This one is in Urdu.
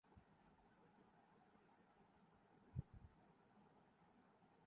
اس کی چمک کو یکساں کر سکہ ہیں یا رنگ کے تفاوت میں اضافہ کر سکہ ہیں